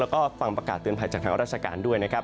แล้วก็ฟังประกาศเตือนภัยจากทางราชการด้วยนะครับ